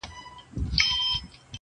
خو چې زمونږ اراده یې پریږدي